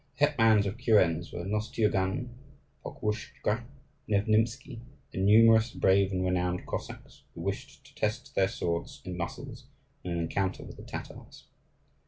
The hetmans of kurens were Nostiugan, Pokruischka, Nevnimsky, and numerous brave and renowned Cossacks who wished to test their swords and muscles in an encounter with the Tatars.